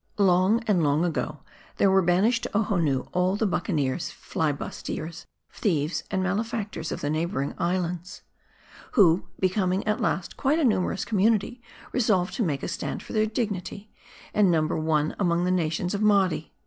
Long and long ago, there were banished to Ohonoo all the bucaniers, flibustiers, thieves, and malefactors of the neighboring islands ; who, becoming at last quite a numer ous community, resolved to make a stand for their dignity, and number one among the nations of Mardi.